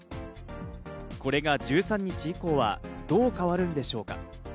これが１３日以降はどう変わるんでしょうか？